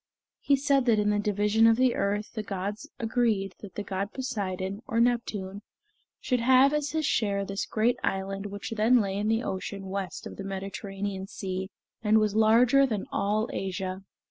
He said that in the division of the earth the gods agreed that the god Poseidon, or Neptune, should have, as his share, this great island which then lay in the ocean west of the Mediterranean Sea, and was larger than all Asia.